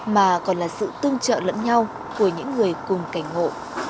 mà còn là sự tương trợ lẫn nhau của những người cùng cảnh ngộ